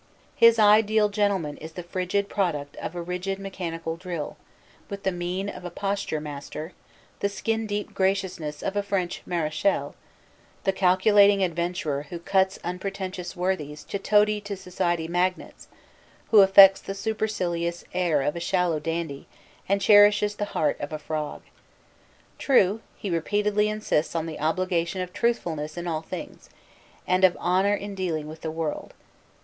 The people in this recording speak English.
His ideal Gentleman is the frigid product of a rigid mechanical drill, with the mien of a posture master, the skin deep graciousness of a French Marechal, the calculating adventurer who cuts unpretentious worthies to toady to society magnates, who affects the supercilious air of a shallow dandy and cherishes the heart of a frog. True, he repeatedly insists on the obligation of truthfulness in all things, and of, honor in dealing with the world.